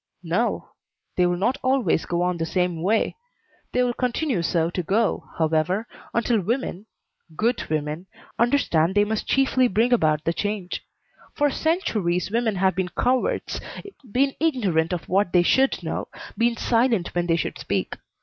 "No. They will not always go on the same way. They will continue so to go, however, until women good women understand they must chiefly bring about the change. For centuries women have been cowards, been ignorant of what they should know, been silent when they should speak.